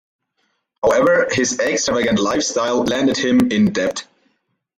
However, his extravagant lifestyle landed him in debt.